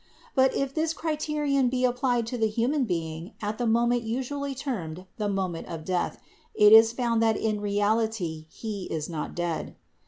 But if this criterion be applied to the human being at the moment usually termed the moment of death, it is found that in reality he is not dead.